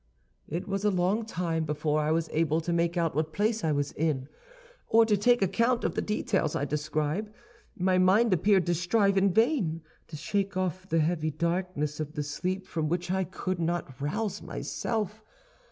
"It was a long time before I was able to make out what place I was in, or to take account of the details I describe. My mind appeared to strive in vain to shake off the heavy darkness of the sleep from which I could not rouse myself.